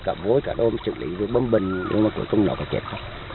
cả vối cả đôm trự lý bơm bình nhưng mà cuối cùng nó có chết